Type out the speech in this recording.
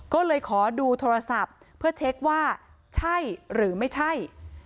ก็เลยขอดูโทรศัพท์เพื่อเช็คว่าใช่หรือไม่ใช่